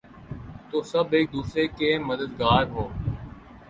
تو سب ایک دوسرے کے مددگار ہوں۔